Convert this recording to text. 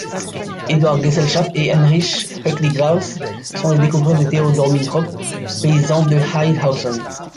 Eduard Geselschap et Heinrich Oecklinghaus sont les découvreurs de Theodor Mintrop, paysan de Heidhausen.